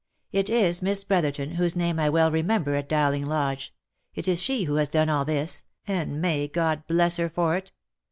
It is Miss Brotherton, whose name I well remember at Dowling Lodge, it is she who has done all this, and may God bless her for it